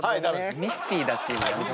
「ミッフィーだ」って言うのやめて。